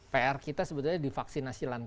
pr kita sebenarnya di vaksinasi lansia